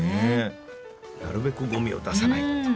なるべくゴミを出さないって。